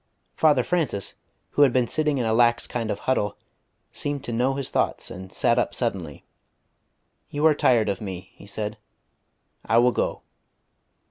Father Francis, who had been sitting in a lax kind of huddle, seemed to know his thoughts, and sat up suddenly. "You are tired of me," he said. "I will go."